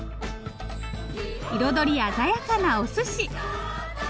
彩り鮮やかなおすし。